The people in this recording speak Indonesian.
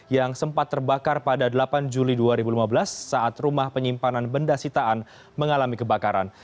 yang sempat terbakar pada delapan juli dua ribu lima belas saat rumah penyimpanan benda sitaan mengalami kebakaran